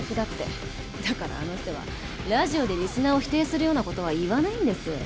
だからあの人はラジオでリスナーを否定するような事は言わないんです。